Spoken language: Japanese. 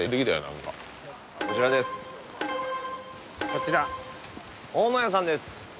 こちら大野屋さんです